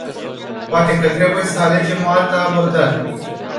Poate că trebuie să alegem o altă abordare.